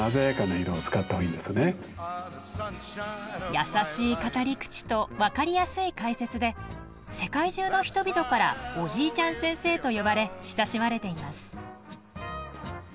優しい語り口と分かりやすい解説で世界中の人々から「おじいちゃん先生」と呼ばれ親しまれています。